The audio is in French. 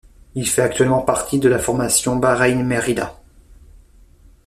Il fait actuellement partie de la formation Bahrain-Merida.